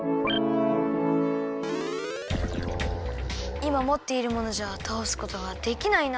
いまもっているものじゃたおすことはできないな。